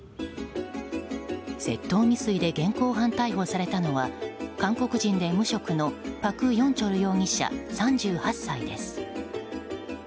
窃盗未遂で現行犯逮捕されたのは韓国人で無職のパク・ヨンチョル容疑者３８歳です。